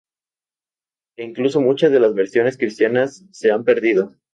E incluso muchas de las versiones cristianas se han perdido.